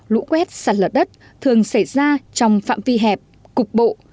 lũ quét sạt lở đất thường xảy ra trong phạm vi hẹp cục bộ